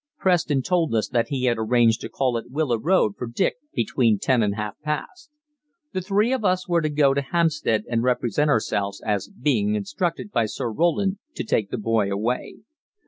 Preston told us that he had arranged to call at Willow Road for Dick between ten and half past. The three of us were to go to Hampstead and represent ourselves as being instructed by Sir Roland to take the boy away.